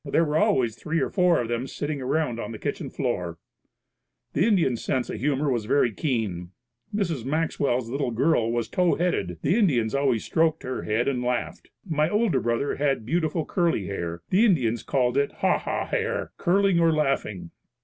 There were always three or four of them sitting around on the kitchen floor. The Indians' sense of humor was very keen. Mrs. Maxwell's little girl was tow headed. The Indians always stroked her head and laughed. My older brother had beautiful curly hair. The Indians called it "Ha ha hair" curling or laughing.